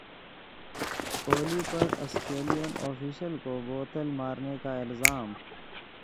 کوہلی پر Australian official کو بوتل مارنے کا الزام